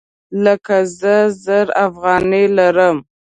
لکه زه زر افغانۍ لرم